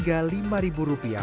pekasa ini orang semua suka